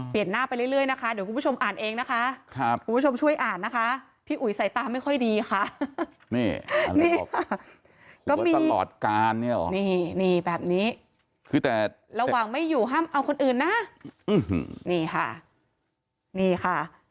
เปลี่ยนหน้าไปเรื่อยนะคะเดี๋ยวคุณผู้ชมอ่านเองนะคะ